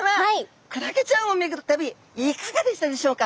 クラゲちゃんを巡る旅いかがでしたでしょうか？